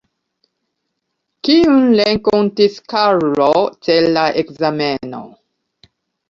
Kiun renkontis Karlo ĉe la ekzameno?